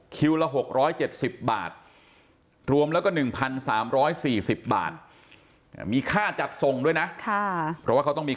ละ๖๗๐บาทรวมแล้วก็๑๓๔๐บาทมีค่าจัดส่งด้วยนะเพราะว่าเขาต้องมี